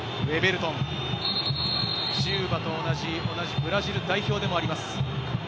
ウェベルトン、シウバと同じ、ブラジル代表でもあります。